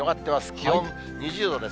気温２０度です。